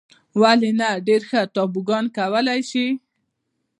ولې نه. ډېر ښه توبوګان کولای شې.